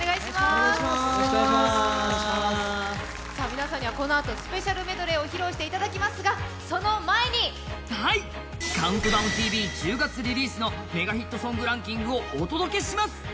皆さんにはこのあとスペシャルメドレーを披露していただきますが「ＣＤＴＶ」１０月リリースのメガヒットソングランキングをお届けします。